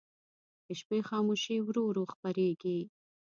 د شپې خاموشي ورو ورو خپرېږي.